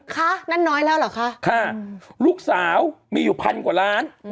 คะนั่นน้อยแล้วเหรอคะค่ะลูกสาวมีอยู่พันกว่าล้าน